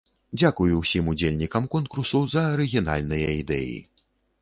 Дзякуй усім удзельнікам конкурсу за арыгінальныя ідэі!